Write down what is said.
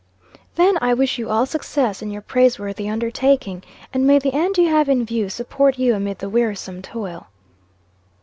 "Then I wish you all success in your praiseworthy undertaking. And may the end you have in view support you amid the wearisome toil."